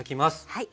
はい。